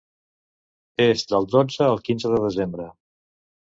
És del dotze al quinze de desembre.